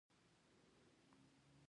د وردګو مڼې نړیوال شهرت لري.